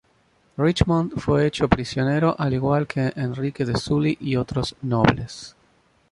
Richmond fue hecho prisionero, al igual que Enrique de Sully, y otros nobles.